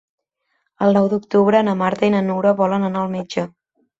El nou d'octubre na Marta i na Nura volen anar al metge.